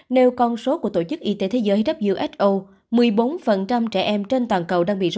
nêu con số của tổ chức y tế thế giới who một mươi bốn trẻ em trên toàn cầu